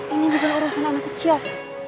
ini bukan urusan anak kecil